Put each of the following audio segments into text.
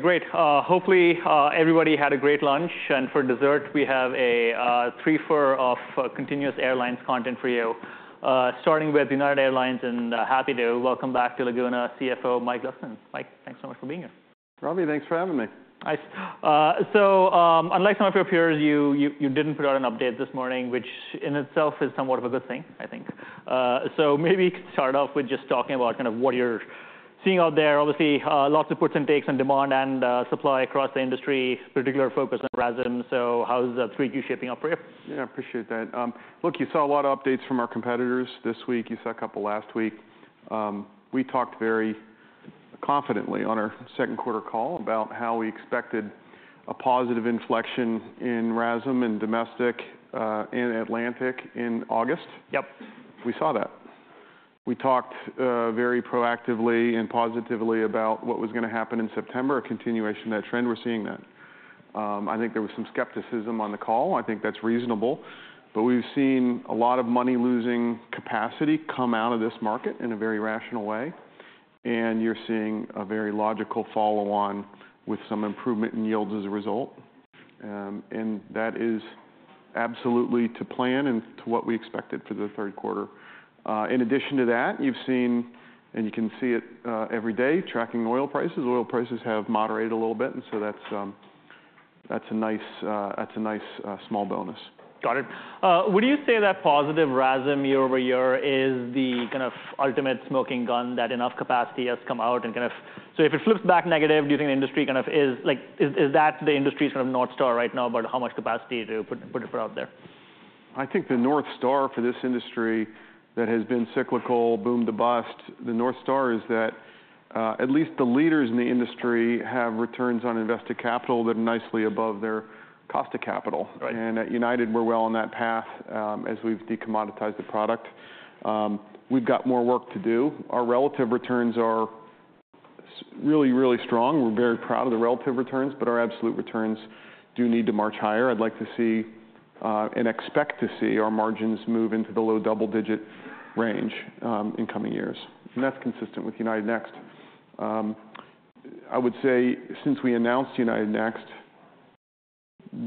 Great. Hopefully, everybody had a great lunch, and for dessert, we have a threefer of continuous airlines content for you, starting with United Airlines, and happy to welcome back to Laguna, CFO Mike Leskinen. Mike, thanks so much for being here. Ravi, thanks for having me. Nice. So, unlike some of your peers, you didn't put out an update this morning, which in itself is somewhat of a good thing, I think. So maybe you could start off with just talking about kind of what you're seeing out there. Obviously, lots of puts and takes on demand and supply across the industry, particular focus on RASM. So how is the 3Q shaping up for you? Yeah, I appreciate that. Look, you saw a lot of updates from our competitors this week. You saw a couple last week. We talked very confidently on our Q2 call about how we expected a positive inflection in RASM, in domestic, and Atlantic in August. Yep. We saw that. We talked very proactively and positively about what was gonna happen in September, a continuation of that trend. We're seeing that. I think there was some skepticism on the call. I think that's reasonable, but we've seen a lot of money-losing capacity come out of this market in a very rational way, and you're seeing a very logical follow-on with some improvement in yields as a result, and that is absolutely to plan and to what we expected for the Q3. In addition to that, you've seen, and you can see it every day, tracking oil prices. Oil prices have moderated a little bit, and so that's a nice small bonus. Got it. Would you say that positive RASM year over year is the kind of ultimate smoking gun, that enough capacity has come out and kind of... So if it flips back negative, do you think the industry kind of is like, is that the industry's kind of North Star right now about how much capacity to put out there? I think the North Star for this industry that has been cyclical, boom to bust, the North Star is that, at least the leaders in the industry have returns on invested capital that are nicely above their cost of capital. Right. And at United, we're well on that path, as we've decommoditized the product. We've got more work to do. Our relative returns are really, really strong. We're very proud of the relative returns, but our absolute returns do need to march higher. I'd like to see, and expect to see our margins move into the low double-digit range, in coming years, and that's consistent with United Next. I would say since we announced United Next,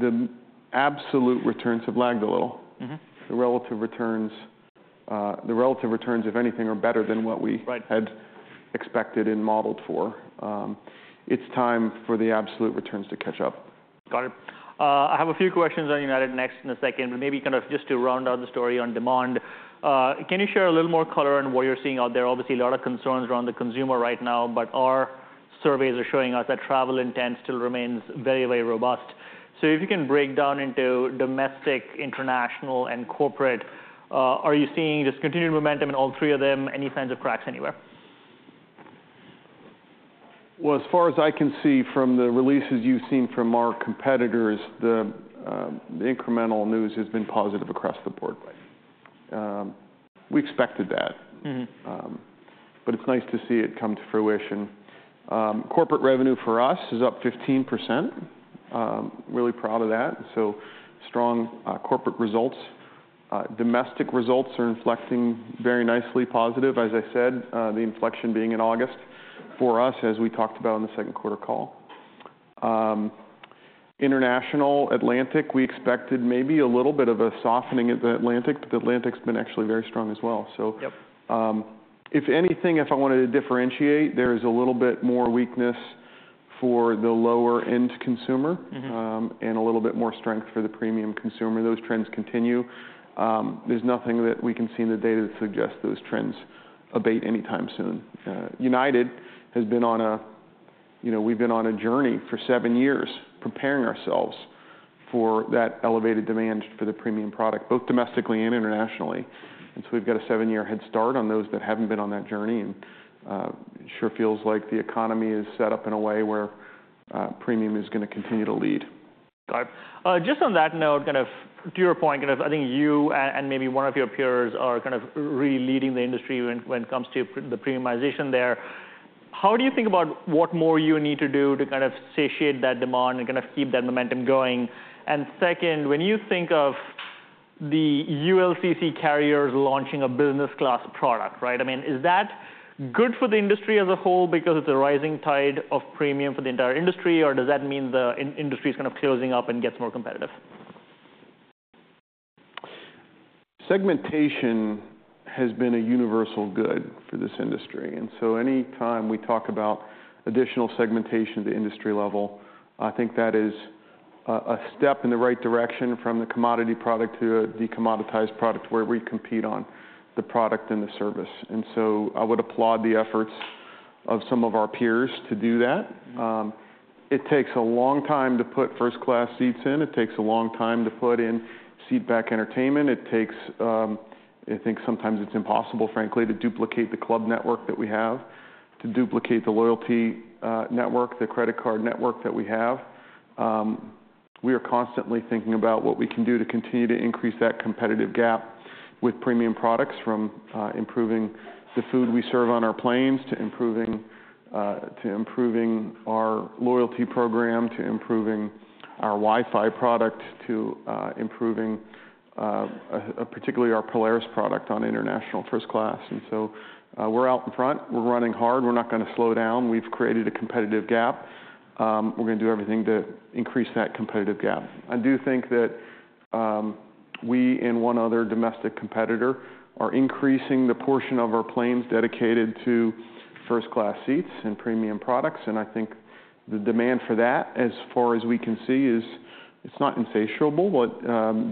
the absolute returns have lagged a little. Mm-hmm. The relative returns, if anything, are better than what we- Right... had expected and modeled for. It's time for the absolute returns to catch up. Got it. I have a few questions on United Next in a second, but maybe kind of just to round out the story on demand, can you share a little more color on what you're seeing out there? Obviously, a lot of concerns around the consumer right now, but our surveys are showing us that travel intent still remains very, very robust. So if you can break down into domestic, international, and corporate, are you seeing this continued momentum in all three of them? Any signs of cracks anywhere? As far as I can see from the releases you've seen from our competitors, the incremental news has been positive across the board. Right. We expected that. Mm-hmm. But it's nice to see it come to fruition. Corporate revenue for us is up 15%. Really proud of that, and so strong, corporate results. Domestic results are inflecting very nicely positive. As I said, the inflection being in August for us, as we talked about on the Q2 call. International, Atlantic, we expected maybe a little bit of a softening at the Atlantic, but the Atlantic's been actually very strong as well, so. Yep. If anything, if I wanted to differentiate, there is a little bit more weakness for the lower-end consumer- Mm-hmm... and a little bit more strength for the premium consumer. Those trends continue. There's nothing that we can see in the data that suggests those trends abate anytime soon. United has been on a, you know, we've been on a journey for seven years, preparing ourselves for that elevated demand for the premium product, both domestically and internationally. And so we've got a seven-year head start on those that haven't been on that journey, and, it sure feels like the economy is set up in a way where, premium is gonna continue to lead. Got it. Just on that note, kind of to your point, kind of, I think you and maybe one of your peers are kind of really leading the industry when it comes to the premiumization there. How do you think about what more you need to do to kind of satiate that demand and kind of keep that momentum going? And second, when you think of the ULCC carriers launching a business class product, right? I mean, is that good for the industry as a whole because it's a rising tide of premium for the entire industry, or does that mean the industry is kind of closing up and gets more competitive? Segmentation has been a universal good for this industry, and so any time we talk about additional segmentation at the industry level, I think that is a, a step in the right direction from the commodity product to a decommoditized product, where we compete on the product and the service. And so I would applaud the efforts of some of our peers to do that. It takes a long time to put first-class seats in. It takes a long time to put in seatback entertainment. It takes. I think sometimes it's impossible, frankly, to duplicate the club network that we have, to duplicate the loyalty network, the credit card network that we have. We are constantly thinking about what we can do to continue to increase that competitive gap with premium products, from improving the food we serve on our planes, to improving our loyalty program, to improving our Wi-Fi product, to improving particularly our Polaris product on international first class. And so, we're out in front. We're running hard. We're not gonna slow down. We've created a competitive gap. We're gonna do everything to increase that competitive gap. I do think that... We and one other domestic competitor are increasing the portion of our planes dedicated to first-class seats and premium products, and I think the demand for that, as far as we can see, is. It's not insatiable, but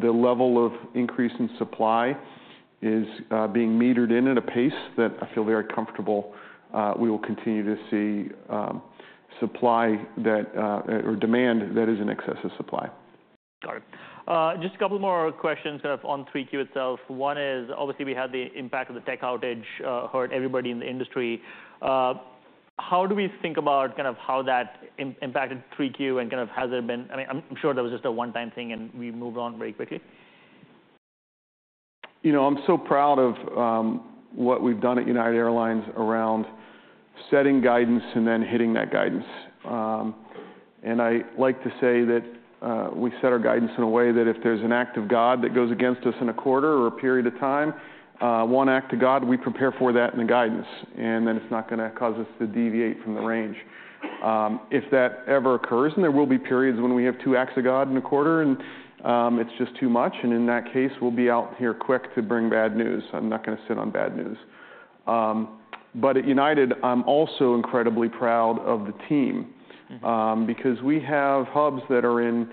the level of increase in supply is being metered in at a pace that I feel very comfortable. We will continue to see demand that is in excess of supply. Got it. Just a couple more questions kind of on 3Q itself. One is, obviously, we had the impact of the tech outage hurt everybody in the industry. How do we think about kind of how that impacted 3Q and kind of has it been? I mean, I'm sure that was just a one-time thing, and we moved on very quickly. You know, I'm so proud of what we've done at United Airlines around setting guidance and then hitting that guidance, and I like to say that we set our guidance in a way that if there's an act of God that goes against us in a quarter or a period of time, one act of God, we prepare for that in the guidance, and then it's not gonna cause us to deviate from the range. If that ever occurs, and there will be periods when we have two acts of God in a quarter, and it's just too much, and in that case, we'll be out here quick to bring bad news. I'm not gonna sit on bad news. But at United, I'm also incredibly proud of the team, because we have hubs that are in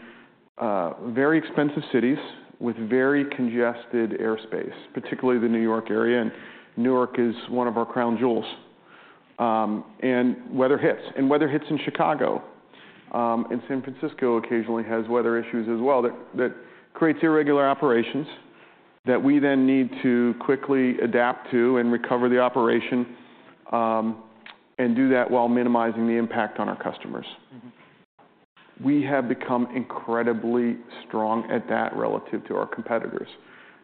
very expensive cities with very congested airspace, particularly the New York area, and Newark is one of our crown jewels. And weather hits in Chicago, and San Francisco occasionally has weather issues as well, that creates irregular operations that we then need to quickly adapt to and recover the operation, and do that while minimizing the impact on our customers. Mm-hmm. We have become incredibly strong at that relative to our competitors.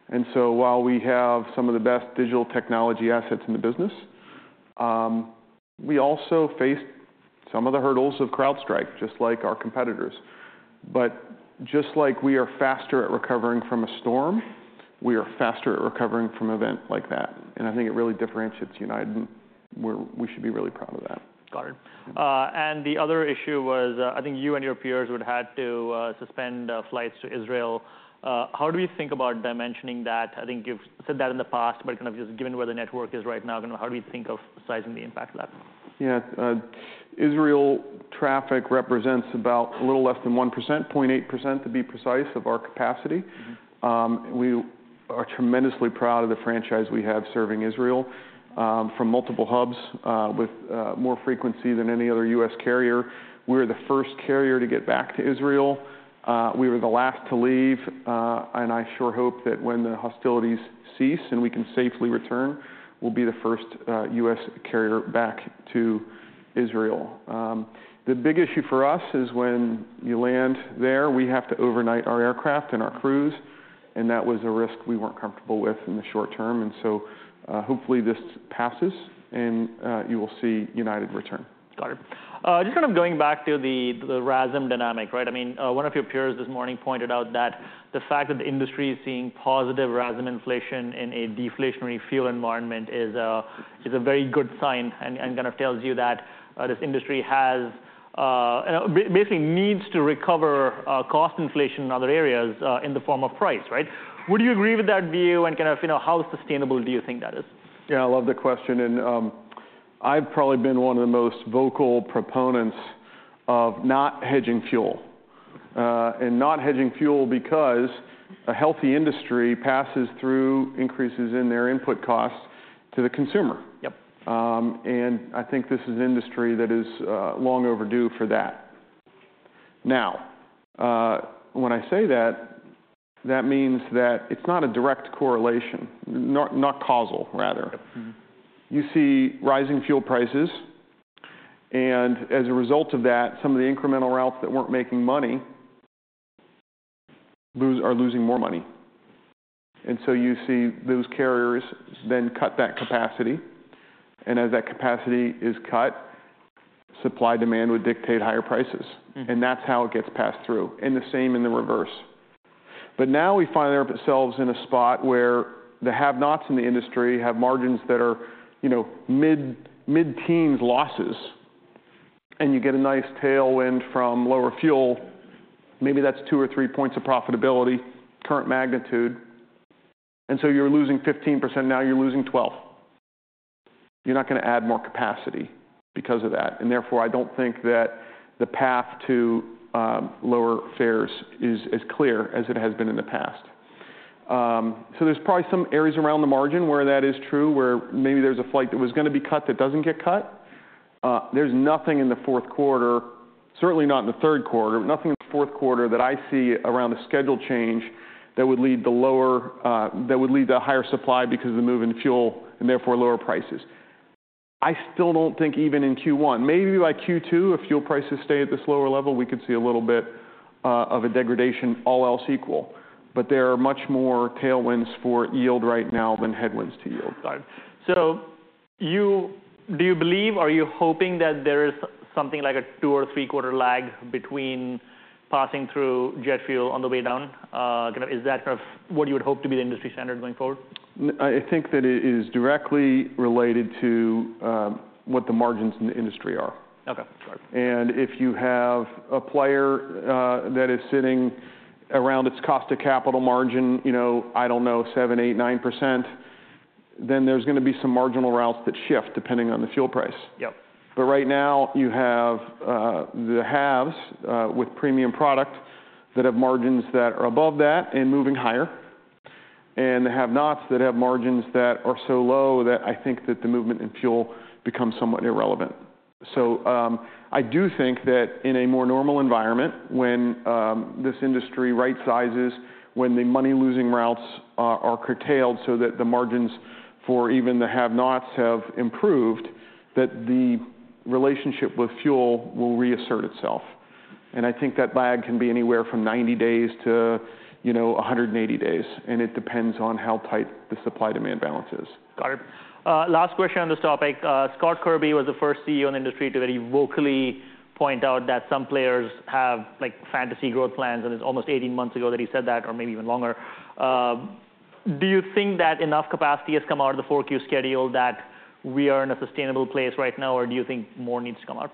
And so while we have some of the best digital technology assets in the business, we also face some of the hurdles of CrowdStrike, just like our competitors. But just like we are faster at recovering from a storm, we are faster at recovering from an event like that, and I think it really differentiates United, and we should be really proud of that. Got it. And the other issue was, I think you and your peers would had to suspend flights to Israel. How do we think about dimensioning that? I think you've said that in the past, but kind of just given where the network is right now, kind of how do you think of sizing the impact of that? Yeah, Israel traffic represents about a little less than 1%, 0.8%, to be precise, of our capacity. Mm-hmm. We are tremendously proud of the franchise we have serving Israel from multiple hubs with more frequency than any other U.S. carrier. We were the first carrier to get back to Israel. We were the last to leave, and I sure hope that when the hostilities cease and we can safely return, we'll be the first U.S. carrier back to Israel. The big issue for us is when you land there, we have to overnight our aircraft and our crews, and that was a risk we weren't comfortable with in the short term, and so hopefully, this passes, and you will see United return. Got it. Just kind of going back to the RASM dynamic, right? I mean, one of your peers this morning pointed out that the fact that the industry is seeing positive RASM inflation in a deflationary fuel environment is a very good sign and kind of tells you that this industry has basically needs to recover cost inflation in other areas in the form of price, right? Would you agree with that view, and kind of, you know, how sustainable do you think that is? Yeah, I love the question, and I've probably been one of the most vocal proponents of not hedging fuel because a healthy industry passes through increases in their input costs to the consumer. Yep. And I think this is an industry that is long overdue for that. Now, when I say that, that means that it's not a direct correlation, not causal, rather. Yep, mm-hmm. You see rising fuel prices, and as a result of that, some of the incremental routes that weren't making money are losing more money, and so you see those carriers then cut that capacity, and as that capacity is cut, supply and demand would dictate higher prices. Mm. That's how it gets passed through, and the same in the reverse. But now we find ourselves in a spot where the have-nots in the industry have margins that are, you know, mid, mid-teens losses, and you get a nice tailwind from lower fuel. Maybe that's two or three points of profitability, current magnitude, and so you're losing 15%, now you're losing 12%. You're not gonna add more capacity because of that, and therefore, I don't think that the path to lower fares is as clear as it has been in the past. So there's probably some areas around the margin where that is true, where maybe there's a flight that was gonna be cut that doesn't get cut. There's nothing in the Q4, certainly not in the Q3, nothing in the Q4 that I see around the schedule change that would lead to lower, that would lead to higher supply because of the move in fuel and therefore lower prices. I still don't think even in Q1, maybe by Q2, if fuel prices stay at this lower level, we could see a little bit of a degradation, all else equal. But there are much more tailwinds for yield right now than headwinds to yield. Got it. Do you believe, are you hoping that there is something like a two- or three-quarter lag between passing through jet fuel on the way down? Kind of, is that kind of what you would hope to be the industry standard going forward? I think that it is directly related to what the margins in the industry are. Okay, got it.... and if you have a player that is sitting around its cost of capital margin, you know, I don't know, 7%-9%, then there's gonna be some marginal routes that shift, depending on the fuel price. Yep. But right now, you have the haves with premium product that have margins that are above that and moving higher, and the have-nots that have margins that are so low that I think that the movement in fuel becomes somewhat irrelevant. So I do think that in a more normal environment, when this industry right-sizes, when the money-losing routes are curtailed so that the margins for even the have-nots have improved, that the relationship with fuel will reassert itself. And I think that lag can be anywhere from ninety days to, you know, a hundred and eighty days, and it depends on how tight the supply-demand balance is. Got it. Last question on this topic. Scott Kirby was the first CEO in the industry to very vocally point out that some players have, like, fantasy growth plans, and it's almost eighteen months ago that he said that, or maybe even longer. Do you think that enough capacity has come out of the 4Q schedule, that we are in a sustainable place right now, or do you think more needs to come out?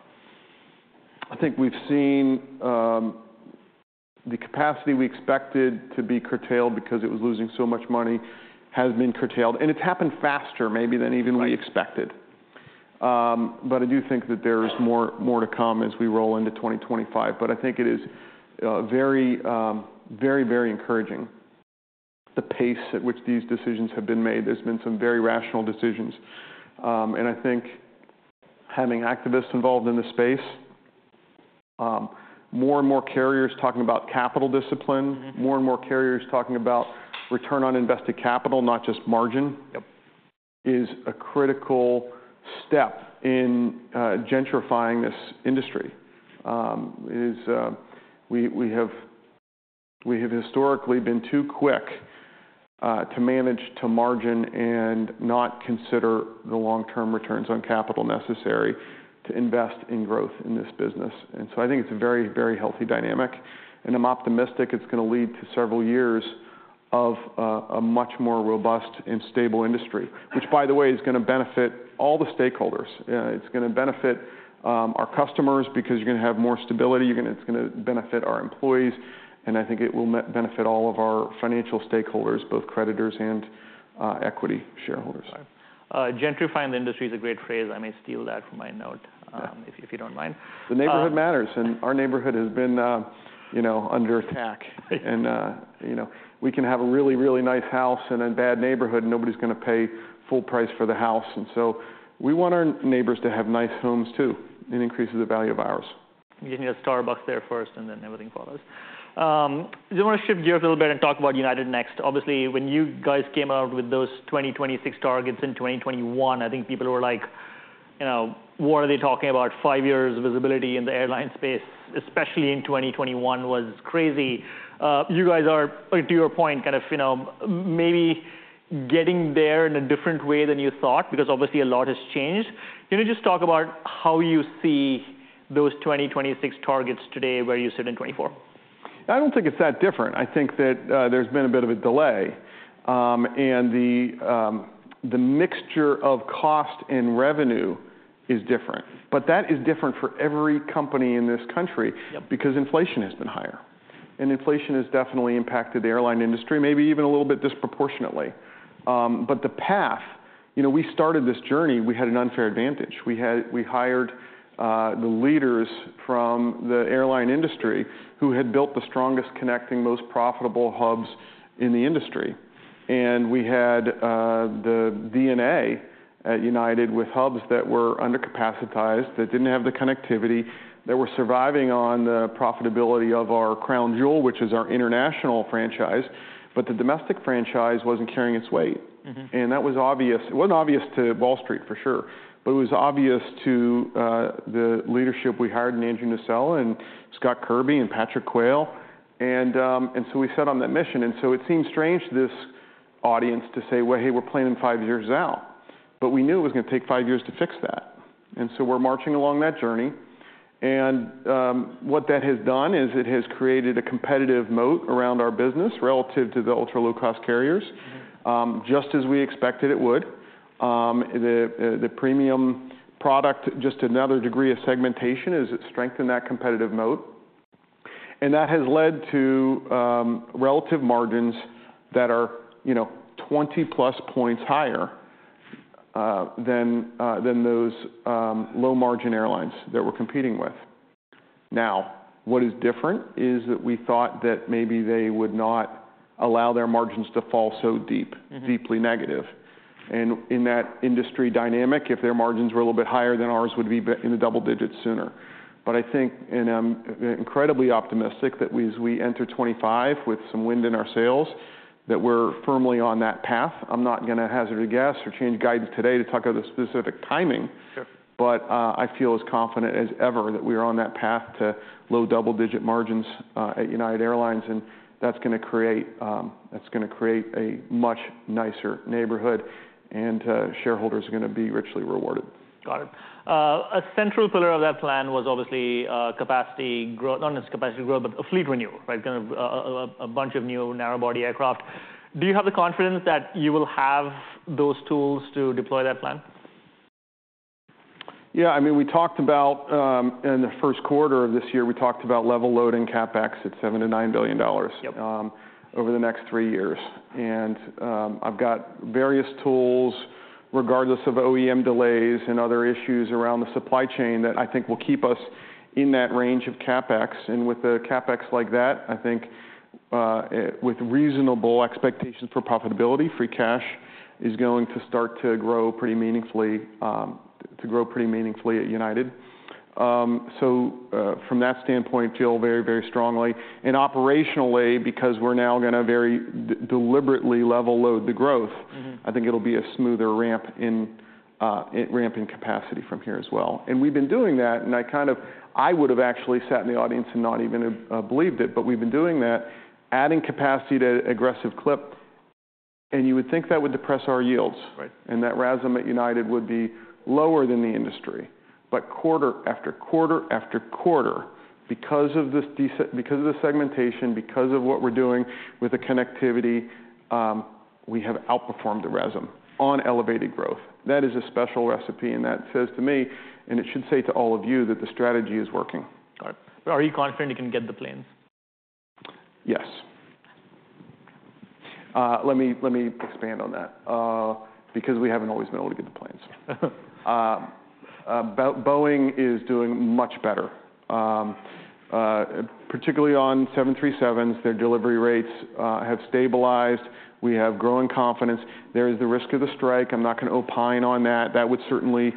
I think we've seen the capacity we expected to be curtailed because it was losing so much money, has been curtailed, and it's happened faster maybe than even we expected. Right. But I do think that there is more to come as we roll into 2025. But I think it is very encouraging, the pace at which these decisions have been made. There has been some very rational decisions. And I think having activists involved in the space, more and more carriers talking about capital discipline- Mm-hmm. More and more carriers talking about return on invested capital, not just margin. Yep... is a critical step in gentrifying this industry. We have historically been too quick to manage to margin and not consider the long-term returns on capital necessary to invest in growth in this business. And so I think it's a very, very healthy dynamic, and I'm optimistic it's gonna lead to several years of a much more robust and stable industry, which, by the way, is gonna benefit all the stakeholders. It's gonna benefit our customers, because you're gonna have more stability. You're gonna have more stability. It's gonna benefit our employees, and I think it will benefit all of our financial stakeholders, both creditors and equity shareholders. All right. Gentrifying the industry is a great phrase. I may steal that for my note. Yeah... if you don't mind. The neighborhood matters, and our neighborhood has been, you know, under attack. And, you know, we can have a really, really nice house in a bad neighborhood, and nobody's gonna pay full price for the house. And so we want our neighbors to have nice homes, too. It increases the value of ours. You need a Starbucks there first, and then everything follows. I wanna shift gears a little bit and talk about United Next. Obviously, when you guys came out with those 2026 targets in 2021, I think people were like, "You know, what are they talking about? Five years of visibility in the airline space, especially in 2021, was crazy." You guys are, to your point, kind of, you know, maybe getting there in a different way than you thought, because obviously a lot has changed. Can you just talk about how you see those 2026 targets today, where you sit in 2024? I don't think it's that different. I think that, there's been a bit of a delay, and the mixture of cost and revenue is different. But that is different for every company in this country- Yep... because inflation has been higher, and inflation has definitely impacted the airline industry, maybe even a little bit disproportionately. But the path... You know, we started this journey, we had an unfair advantage. We hired the leaders from the airline industry, who had built the strongest connecting, most profitable hubs in the industry. And we had the DNA at United, with hubs that were undercapacitized, that didn't have the connectivity, that were surviving on the profitability of our crown jewel, which is our international franchise, but the domestic franchise wasn't carrying its weight. Mm-hmm. And that was obvious. It wasn't obvious to Wall Street, for sure, but it was obvious to the leadership we hired in Andrew Nocella and Scott Kirby and Patrick Quayle. And, and so we set on that mission, and so it seemed strange to this audience to say, "Well, hey, we're planning five years out." But we knew it was gonna take five years to fix that, and so we're marching along that journey. And, what that has done is it has created a competitive moat around our business relative to the ultra-low-cost carriers- Mm-hmm... just as we expected it would. The premium product, just another degree of segmentation, is it strengthened that competitive moat? And that has led to relative margins that are, you know, 20+ points higher than those low-margin airlines that we're competing with. Now, what is different is that we thought that maybe they would not allow their margins to fall so deep- Mm-hmm... deeply negative. In that industry dynamic, if their margins were a little bit higher than ours, they would be in the double digits sooner. But I think, and I'm incredibly optimistic, that we, as we enter 2025 with some wind in our sails, that we're firmly on that path. I'm not gonna hazard a guess or change guidance today to talk about the specific timing. Sure. But, I feel as confident as ever that we are on that path to low double-digit margins at United Airlines, and that's gonna create a much nicer neighborhood, and shareholders are gonna be richly rewarded. Got it. A central pillar of that plan was obviously capacity growth. Not just capacity growth, but a fleet renewal, right? Kind of a bunch of new narrow-body aircraft. Do you have the confidence that you will have those tools to deploy that plan?... Yeah, I mean, in the Q1 of this year, we talked about level loading CapEx at $7 billion-$9 billion. Yep. over the next three years, and I've got various tools, regardless of OEM delays and other issues around the supply chain, that I think will keep us in that range of CapEx, and with a CapEx like that, I think with reasonable expectations for profitability, free cash is going to start to grow pretty meaningfully at United, so from that standpoint, feel very, very strongly, and operationally, because we're now gonna very deliberately level load the growth- Mm-hmm. I think it'll be a smoother ramp in ramping capacity from here as well. And we've been doing that, and I kind of I would have actually sat in the audience and not even believed it, but we've been doing that, adding capacity at an aggressive clip. And you would think that would depress our yields. Right. and that RASM at United would be lower than the industry. But quarter after quarter after quarter, because of the segmentation, because of what we're doing with the connectivity, we have outperformed the RASM on elevated growth. That is a special recipe, and that says to me, and it should say to all of you, that the strategy is working. Got it. Are you confident you can get the planes? Yes. Let me, let me expand on that, because we haven't always been able to get the planes. Boeing is doing much better, particularly on 737s, their delivery rates have stabilized. We have growing confidence. There is the risk of the strike. I'm not gonna opine on that. That would certainly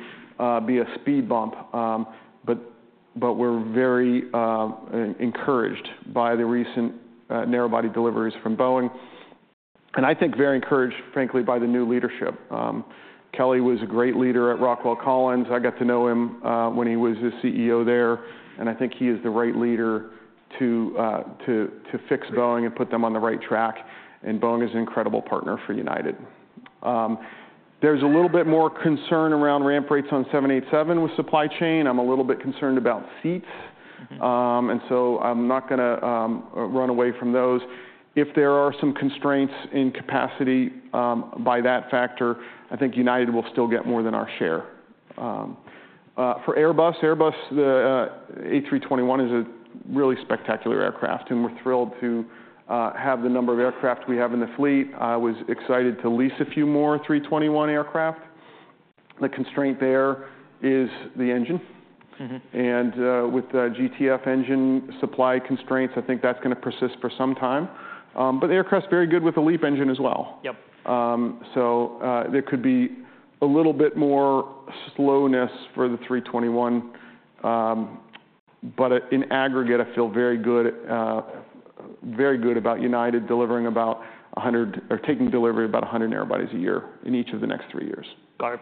be a speed bump, but, but we're very encouraged by the recent narrow body deliveries from Boeing, and I think very encouraged, frankly, by the new leadership. Kelly was a great leader at Rockwell Collins. I got to know him when he was the CEO there, and I think he is the right leader to, to fix Boeing and put them on the right track. And Boeing is an incredible partner for United. There's a little bit more concern around ramp rates on 787 with supply chain. I'm a little bit concerned about seats. Mm-hmm. So I'm not gonna run away from those. If there are some constraints in capacity, by that factor, I think United will still get more than our share. For Airbus, the A321 is a really spectacular aircraft, and we're thrilled to have the number of aircraft we have in the fleet. I was excited to lease a few more A321 aircraft. The constraint there is the engine. Mm-hmm. With the GTF engine supply constraints, I think that's gonna persist for some time, but the aircraft's very good with the LEAP engine as well. Yep. So, there could be a little bit more slowness for the 321. But in aggregate, I feel very good, very good about United delivering about a hundred or taking delivery about a hundred narrow bodies a year in each of the next three years. Got it.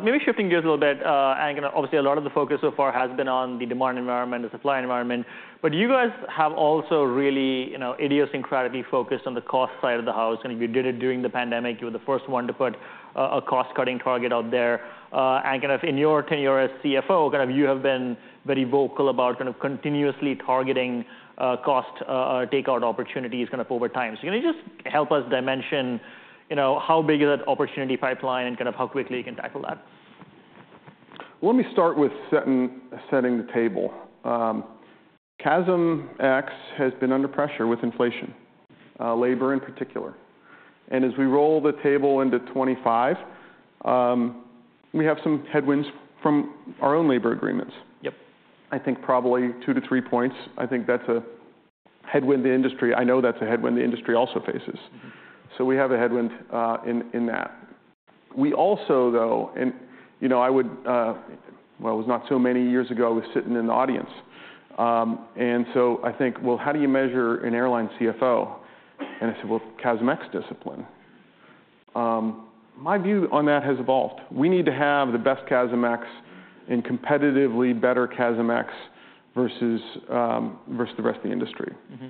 Maybe shifting gears a little bit, and obviously, a lot of the focus so far has been on the demand environment, the supply environment, but you guys have also really, you know, idiosyncratically focused on the cost side of the house, and you did it during the pandemic. You were the first one to put a cost-cutting target out there, and kind of, in your tenure as CFO, kind of, you have been very vocal about kind of continuously targeting cost take out opportunities kind of over time, so can you just help us dimension, you know, how big is that opportunity pipeline and kind of how quickly you can tackle that? Let me start with setting the table. CASM-ex has been under pressure with inflation, labor in particular, and as we roll the table into 2025, we have some headwinds from our own labor agreements. Yep. I think probably two to three points. I think that's a headwind the industry faces. I know that's a headwind the industry also faces. So we have a headwind in that. We also, though, and you know, I would. Well, it was not so many years ago I was sitting in the audience. And so I think, well, how do you measure an airline CFO? And I said, "Well, CASM-ex discipline." My view on that has evolved. We need to have the best CASM-ex and competitively better CASM-ex versus versus the rest of the industry. Mm-hmm.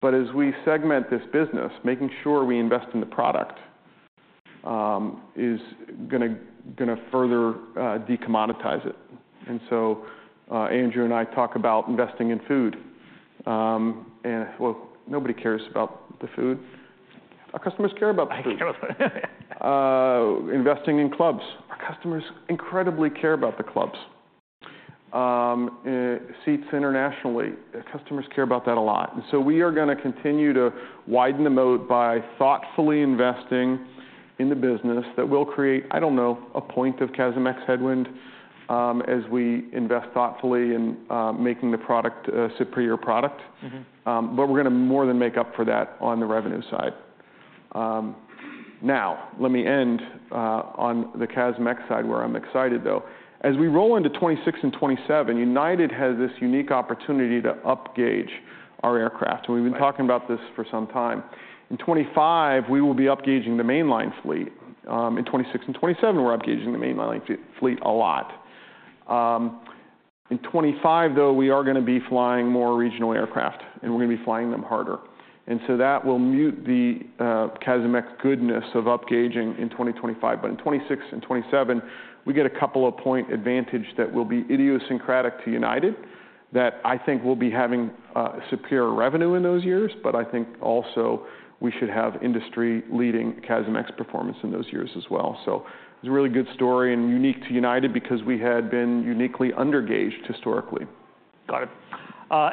But as we segment this business, making sure we invest in the product, is gonna further decommoditize it. And so, Andrew and I talk about investing in food. And well, nobody cares about the food. Our customers care about the food. Investing in clubs. Our customers incredibly care about the clubs. Seats internationally, our customers care about that a lot. And so we are gonna continue to widen the moat by thoughtfully investing in the business. That will create, I don't know, a point of CASM-ex headwind, as we invest thoughtfully in making the product a superior product. Mm-hmm. But we're gonna more than make up for that on the revenue side. Now, let me end on the CASM-ex side, where I'm excited, though. As we roll into 2026 and 2027, United has this unique opportunity to upgauge our aircraft. Right. We've been talking about this for some time. In 2025, we will be upgauging the mainline fleet. In 2026 and 2027, we're upgauging the mainline fleet a lot. In 2025, though, we are gonna be flying more regional aircraft, and we're gonna be flying them harder. And so that will mute the CASM-ex goodness of upgauging in 2025. But in 2026 and 2027, we get a couple of point advantage that will be idiosyncratic to United that I think we'll be having superior revenue in those years, but I think also we should have industry-leading CASM-ex performance in those years as well. So it's a really good story and unique to United because we had been uniquely under-gauged historically. Got it.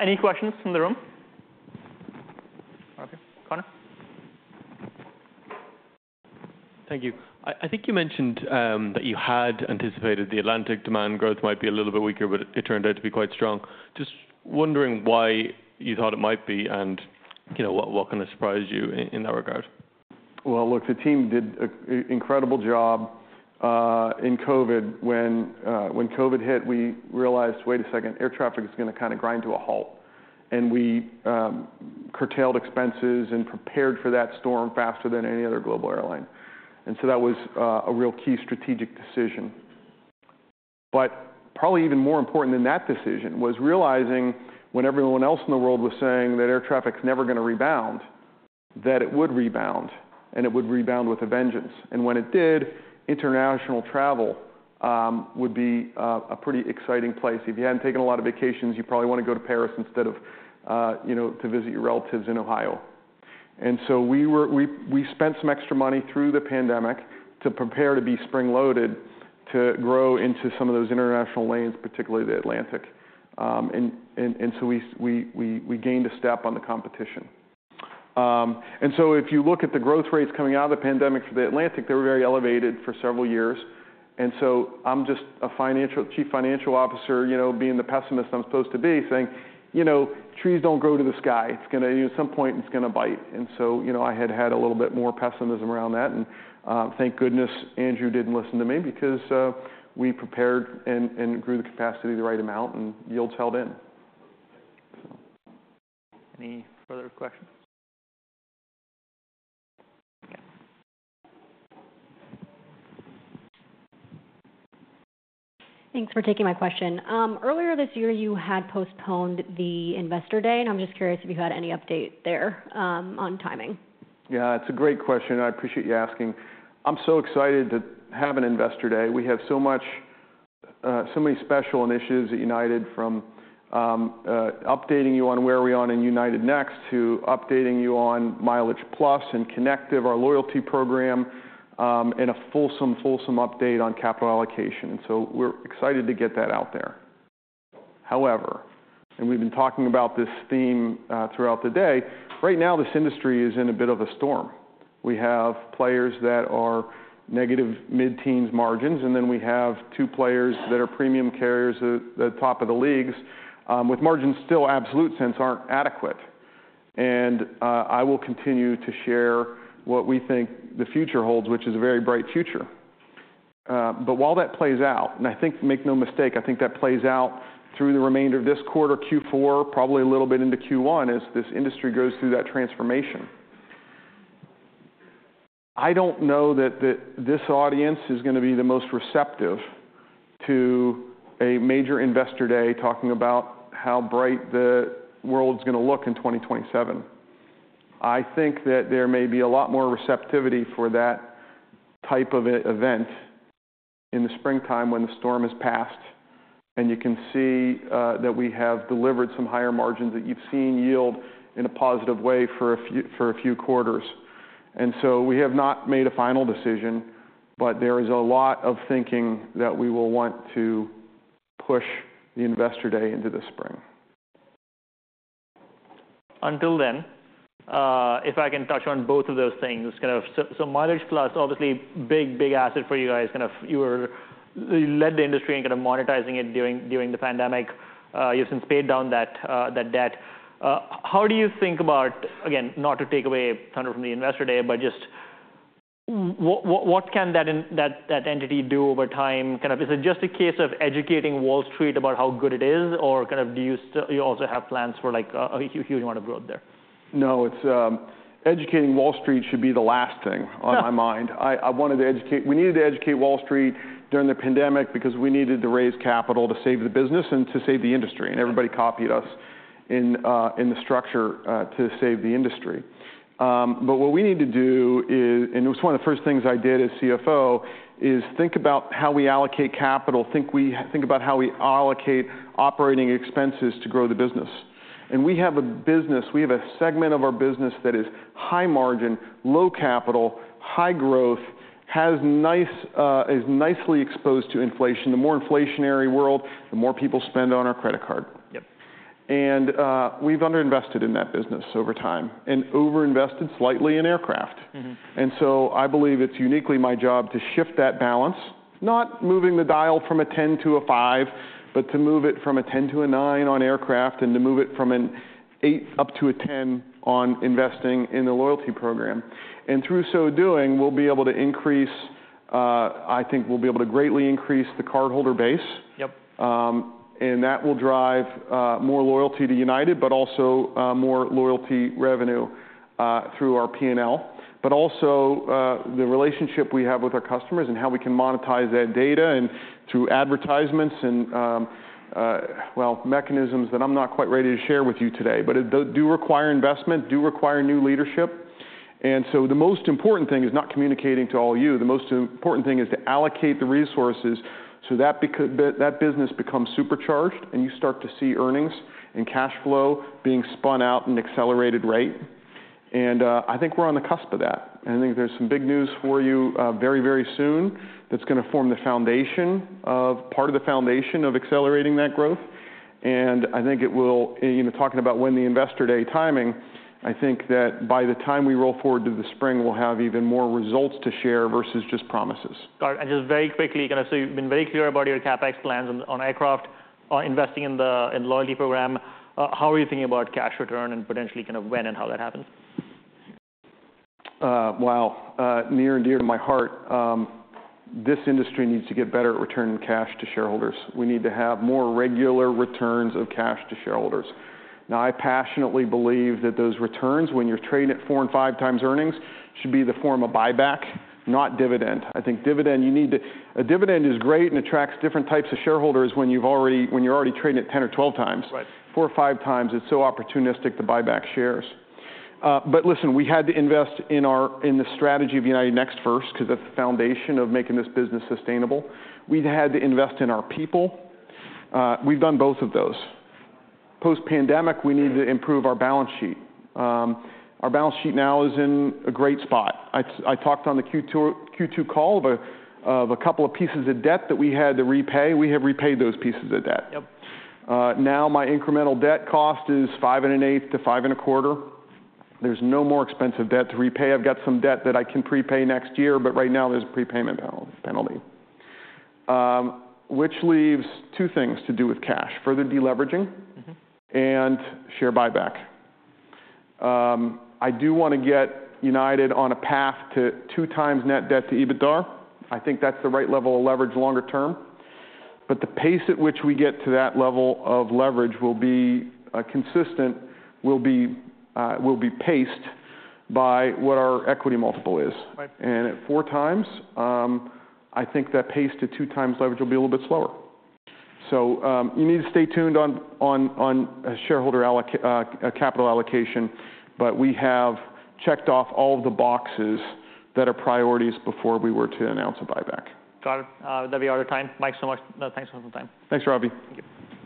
Any questions from the room? Okay, Connor. Thank you. I think you mentioned that you had anticipated the Atlantic demand growth might be a little bit weaker, but it turned out to be quite strong. Just wondering why you thought it might be, and, you know, what kind of surprised you in that regard? Look, the team did an incredible job in COVID. When COVID hit, we realized, wait a second, air traffic is gonna kind of grind to a halt, and we curtailed expenses and prepared for that storm faster than any other global airline, and so that was a real key strategic decision, but probably even more important than that decision was realizing when everyone else in the world was saying that air traffic's never gonna rebound, that it would rebound, and it would rebound with a vengeance, and when it did, international travel would be a pretty exciting place. If you hadn't taken a lot of vacations, you probably want to go to Paris instead of, you know, to visit your relatives in Ohio. We spent some extra money through the pandemic to prepare to be spring-loaded, to grow into some of those international lanes, particularly the Atlantic. We gained a step on the competition. If you look at the growth rates coming out of the pandemic for the Atlantic, they were very elevated for several years. I'm just a Chief Financial Officer, you know, being the pessimist I'm supposed to be, saying, "You know, trees don't grow to the sky. It's gonna, at some point, it's gonna bite." You know, I had had a little bit more pessimism around that, and thank goodness Andrew didn't listen to me because we prepared and grew the capacity the right amount, and yields held in. Any further questions? Okay. Thanks for taking my question. Earlier this year, you had postponed the Investor Day, and I'm just curious if you had any update there, on timing? Yeah, it's a great question, and I appreciate you asking. I'm so excited to have an Investor Day. We have so much, so many special initiatives at United, from updating you on where are we on in United Next, to updating you on MileagePlus and Kinective, our loyalty program, and a fulsome update on capital allocation. And so we're excited to get that out there. However, and we've been talking about this theme throughout the day, right now, this industry is in a bit of a storm. We have players that are negative mid-teens margins, and then we have two players that are premium carriers at the top of the leagues, with margins still absolute sense aren't adequate. And I will continue to share what we think the future holds, which is a very bright future. But while that plays out, and I think, make no mistake, I think that plays out through the remainder of this quarter, Q4, probably a little bit into Q1, as this industry goes through that transformation. I don't know that this audience is gonna be the most receptive to a major Investor Day, talking about how bright the world's gonna look in 2027. I think that there may be a lot more receptivity for that type of event in the springtime when the storm has passed, and you can see that we have delivered some higher margins, that you've seen yield in a positive way for a few quarters. And so we have not made a final decision, but there is a lot of thinking that we will want to push the Investor Day into the spring. Until then, if I can touch on both of those things, kind of. So, MileagePlus, obviously, big, big asset for you guys. Kind of you led the industry in kind of monetizing it during the pandemic. You since paid down that debt. How do you think about. Again, not to take away kind of from the Investor Day, but just what can that entity do over time? Kind of is it just a case of educating Wall Street about how good it is, or kind of do you also have plans for, like, a huge amount of growth there? No, it's, Educating Wall Street should be the last thing on my mind. We needed to educate Wall Street during the pandemic because we needed to raise capital to save the business and to save the industry. Yeah. Everybody copied us in the structure to save the industry. What we need to do is, and it was one of the first things I did as CFO, is think about how we allocate capital, think about how we allocate operating expenses to grow the business. We have a business, we have a segment of our business that is high margin, low capital, high growth, has nice, is nicely exposed to inflation. The more inflationary world, the more people spend on our credit card. Yep. We've underinvested in that business over time and overinvested slightly in aircraft. Mm-hmm. And so I believe it's uniquely my job to shift that balance, not moving the dial from a 10 to a five, but to move it from a 10 to a nine on aircraft and to move it from an eight up to a 10 on investing in the loyalty program. And through so doing, we'll be able to increase. I think we'll be able to greatly increase the cardholder base. Yep. And that will drive more loyalty to United, but also more loyalty revenue through our P&L, but also the relationship we have with our customers and how we can monetize that data and through advertisements and, well, mechanisms that I'm not quite ready to share with you today. But it does require investment, does require new leadership. And so the most important thing is not communicating to all of you. The most important thing is to allocate the resources so that that business becomes supercharged, and you start to see earnings and cash flow being spun out in an accelerated rate. And I think we're on the cusp of that, and I think there's some big news for you very, very soon that's gonna form the foundation of, part of the foundation of accelerating that growth. I think it will, you know, talking about when the Investor Day timing. I think that by the time we roll forward to the spring, we'll have even more results to share versus just promises. Got it. And just very quickly, can I say, you've been very clear about your CapEx plans on aircraft, investing in the loyalty program. How are you thinking about cash return and potentially kind of when and how that happens? Near and dear to my heart, this industry needs to get better at returning cash to shareholders. We need to have more regular returns of cash to shareholders. Now, I passionately believe that those returns, when you're trading at four and five times earnings, should be in the form of buyback, not dividend. I think dividend, you need to... A dividend is great and attracts different types of shareholders when you've already - when you're already trading at 10 or 12 times. Right. Four or five times, it's so opportunistic to buy back shares. But listen, we had to invest in the strategy of United Next first, because that's the foundation of making this business sustainable. We've had to invest in our people. We've done both of those. Post-pandemic, we needed to improve our balance sheet. Our balance sheet now is in a great spot. I talked on the Q2 call of a couple of pieces of debt that we had to repay. We have repaid those pieces of debt. Yep. Now my incremental debt cost is 5.125%-5.25%. There's no more expensive debt to repay. I've got some debt that I can prepay next year, but right now, there's a prepayment penalty, which leaves two things to do with cash: further deleveraging- Mm-hmm. -and share buyback. I do want to get United on a path to two times net debt to EBITDA. I think that's the right level of leverage longer term. But the pace at which we get to that level of leverage will be consistent, will be paced by what our equity multiple is. Right. And at four times, I think that pace to two times leverage will be a little bit slower. So, you need to stay tuned on shareholder capital allocation, but we have checked off all of the boxes that are priorities before we were to announce a buyback. Got it. That'll be out of time. Mike, so much. No, thanks for the time. Thanks, Ravi. Thank you.